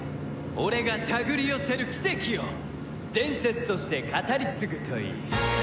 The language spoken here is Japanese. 俺が手繰り寄せる奇跡を伝説として語り継ぐといい。